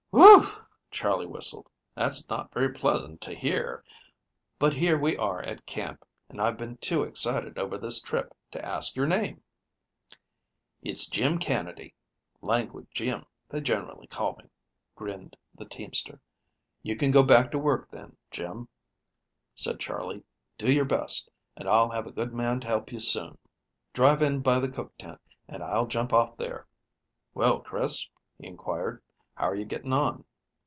"Whew!" Charley whistled, "that's not very pleasant to hear, but, here we are at camp, and I've been too excited over this trip to ask your name." "It's Jim Canody 'Languid Jim' they generally call me," grinned the teamster. "You can go back to work, then, Jim," said Charley. "Do your best, and I'll have a good man to help you soon. Drive in by the cook tent and I'll jump off there." "Well, Chris," he inquired, "how are you getting on?"